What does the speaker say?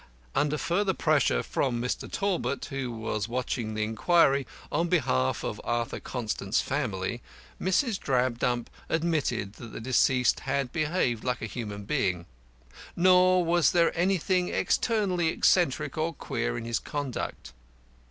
Under further pressure from Mr. Talbot, who was watching the inquiry on behalf of Arthur Constant's family, Mrs. Drabdump admitted that the deceased had behaved like a human being, nor was there anything externally eccentric or queer in his conduct.